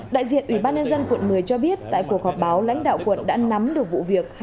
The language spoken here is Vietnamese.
đại diện ủy ban nhân dân quận một mươi cho biết tại cuộc họp báo lãnh đạo quận đã nắm được vụ việc